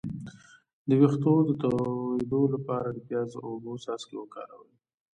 د ویښتو د تویدو لپاره د پیاز او اوبو څاڅکي وکاروئ